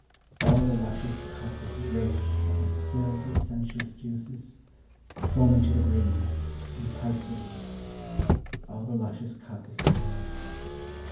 All the luscious cup is drained That was filled with sensuous juices, Foaming to the brim, enticing, All the luscious cup is drained.